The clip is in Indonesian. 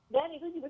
dan itu juga